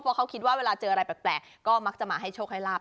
เพราะเขาคิดว่าเวลาเจออะไรแปลกก็มักจะมาให้โชคให้ลาบ